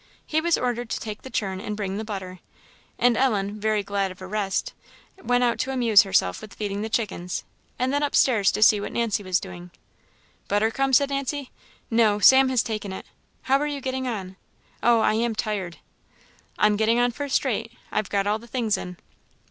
He was ordered to take the churn and bring the butter; and Ellen, very glad of a rest, went out to amuse herself with feeding the chickens, and then up stairs to see what Nancy was doing. "Butter come?" said Nancy. "No, Sam has taken it. How are you getting on? Oh, I am tired!" "I'm getting on first rate; I've got all the things in."